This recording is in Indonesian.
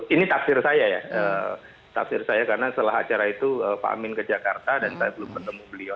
ini tafsir saya ya tafsir saya karena setelah acara itu pak amin ke jakarta dan saya belum ketemu beliau